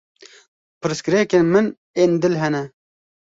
Pirsgirêkên min ên dil hene.